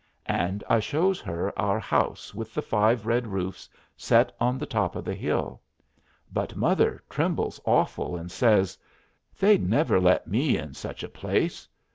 And I shows her our house with the five red roofs, set on the top of the hill. But mother trembles awful, and says: "They'd never let me in such a place.